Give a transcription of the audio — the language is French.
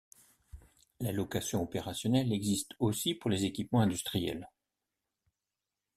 La location opérationnelle existe aussi pour les équipements industriels.